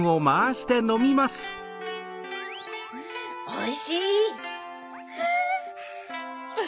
・おいしい！